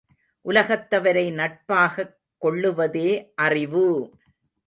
உலகத்தவரை நட்பாகக் கொள்ளுவதே அறிவு!